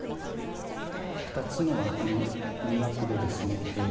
２つの枠、２枠でですね